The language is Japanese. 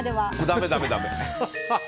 だめ、だめ。